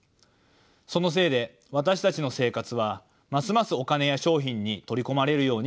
そのせいで私たちの生活はますますお金や商品に取り込まれるようになっていきました。